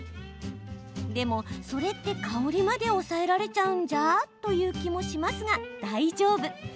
でも、それって香りまで抑えられちゃうんじゃ？という気もしますが、大丈夫。